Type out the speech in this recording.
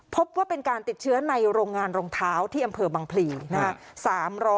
พบว่าเป็นการติดเชื้อในโรงงานรองเท้าที่อำเภอบังพลีนะครับ